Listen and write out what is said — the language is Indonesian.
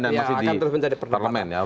ya akan terus menjadi perdebatan